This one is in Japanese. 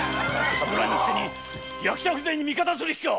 侍のくせに役者風情に味方する気か！